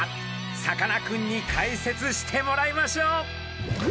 さかなクンに解説してもらいましょう。